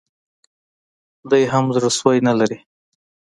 دی هم زړه سوی نه لري